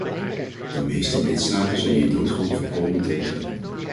De meeste lidstaten zijn hier doodgewoon volkomen tegen.